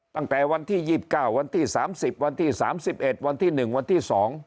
ตั้งแต่วันที่๒๙วันที่๓๐วันที่๓๑วันที่๑วันที่๒